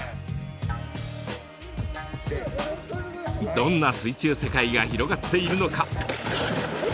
どんな水中世界が広がっているのか？